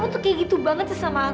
kau tuh kayak gitu banget sih sama aku